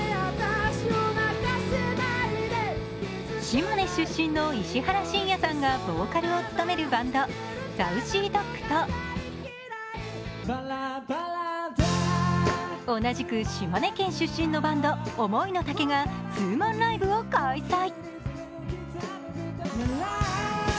島根出身の石原慎也さんがボーカルを務めるバンド、ＳａｕｃｙＤｏｇと同じく島根県出身のバンドＯｍｏｉｎｏｔａｋｅがツーマンライブを開催。